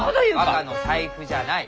「若の財布じゃない」。